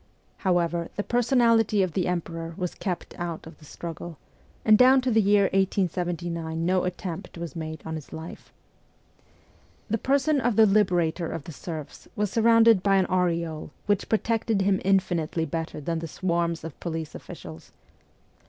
However, the personality of the Emperor was kept out of the struggle, and down to the year 1879 no attempt was made on his life. The person of the Liberator of the serfs was surrounded by an aureole which protected him infinitely better than the swarms of police officials.